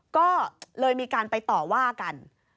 ก็เลยมีการไปต่อว่ากัน